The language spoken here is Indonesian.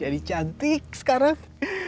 jadi cantik sekarang